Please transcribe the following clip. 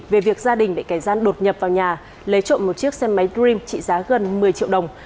về việc gia đình bị kẻ gian đột nhập vào nhà lấy trộm một chiếc xe máy dream trị giá gần một mươi triệu đồng